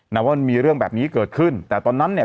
นะว่ามันมีเรื่องแบบนี้เกิดขึ้นแต่ตอนนั้นเนี่ย